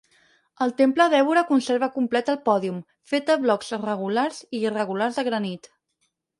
El temple d'Évora conserva complet el pòdium, fet de blocs regulars i irregulars de granit.